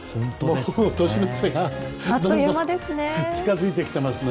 年の瀬がどんどん近づいてきますね。